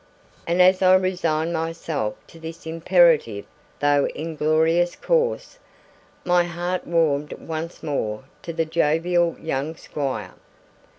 And as I resigned myself to this imperative though inglorious course, my heart warmed once more to the jovial young squire.